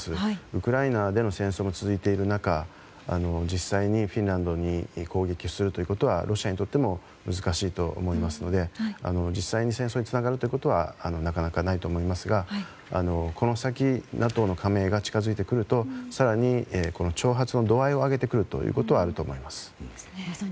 ウクライナでの戦争が続いている中実際にフィンランドに攻撃することはロシアにとっても難しいと思いますので実際に戦争につながることはなかなかないと思いますがこの先ＮＡＴＯの加盟が近づいてくると更に、挑発の度合いを上げてくることはあると思います。